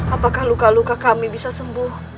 apakah luka luka kami bisa sembuh